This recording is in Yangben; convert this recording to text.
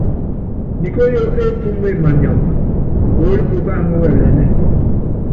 Nikóyo épúme manyama, puólí pukáánɛ́ wɛlɛnɛ́ɛ.